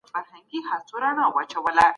د زعفرانو کارت زموږ بریا ده.